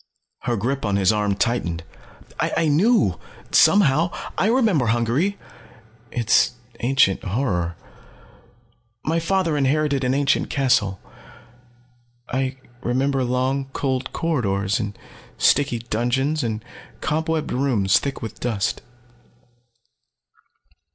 Her grip on his arm tightened. "I knew somehow. I remember Hungary its ancient horror. My father inherited an ancient castle. I remember long cold corridors and sticky dungeons, and cobwebbed rooms thick with dust.